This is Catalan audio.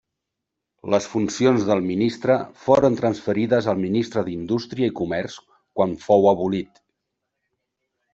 Les funcions del ministre foren transferides al Ministre d'Indústria i Comerç quan fou abolit.